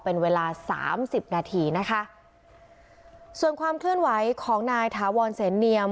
เป็นเวลาสามสิบนาทีนะคะส่วนความเคลื่อนไหวของนายถาวรเสนเนียม